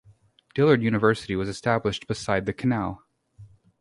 Dillard University was established beside the Canal.